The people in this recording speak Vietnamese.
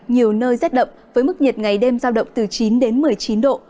nhiều nơi rét đậm với mức nhiệt ngày đêm giao động từ chín đến một mươi chín độ